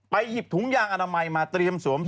หยิบถุงยางอนามัยมาเตรียมสวม